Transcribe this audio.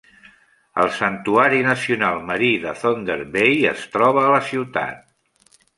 El Santuari Nacional Marí de Thunder Bay es troba a la ciutat.